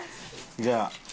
じゃあ。